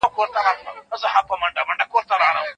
که انا ته لږ ارام ور په برخه شي، هغه به خوشحاله شي.